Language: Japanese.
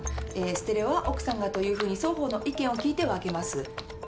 ステレオは奥さんがというふうに双方の意見を聞いて分けます。